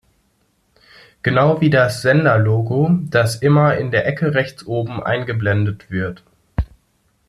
Genau wie das Senderlogo, das immer in der Ecke rechts oben eingeblendet wird.